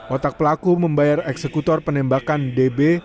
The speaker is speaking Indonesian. otak pelaku membayar eksekutor penembakan db